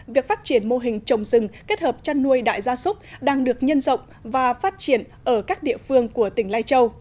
việc phát triển mô hình trồng rừng kết hợp chăn nuôi đại gia súc đang được nhân rộng và phát triển ở các địa phương của tỉnh lai châu